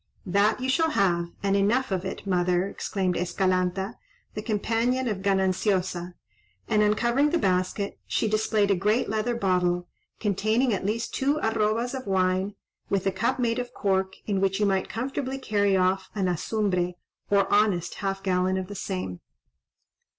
"That you shall have, and enough of it, mother," exclaimed Escalanta, the companion of Gananciosa; and, uncovering the basket, she displayed a great leather bottle, containing at least two arrobas of wine, with a cup made of cork, in which you might comfortably carry off an azumbre, or honest half gallon of the same.